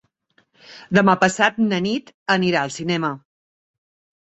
Demà passat na Nit anirà al cinema.